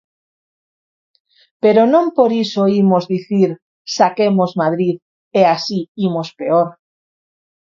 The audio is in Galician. Pero non por iso imos dicir: saquemos Madrid e así imos peor.